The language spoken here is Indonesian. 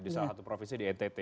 di salah satu provinsi di ntt